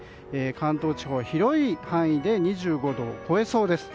関東地方は広い範囲で２５度を超えそうです。